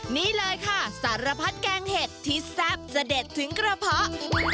นี่เลยค่ะสารพัดแกงเห็ดที่แซ่บจะเด็ดถึงกระเพาะ